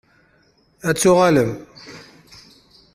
Ad d-tuɣalem?